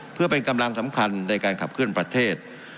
เพื่อเป็นกำลังสำคัญในการขับเคลื่อนประเทศ